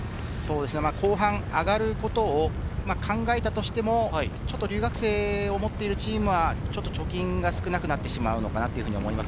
後半、上がることを考えたとしても、ちょっと留学生のいるチームは貯金が少なくなってしまうのかなと思います。